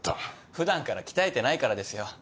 普段から鍛えてないからですよ。